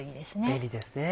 便利ですね。